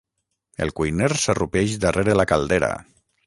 El cuiner s'arrupeix darrere la caldera.